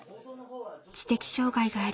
知的障害があります。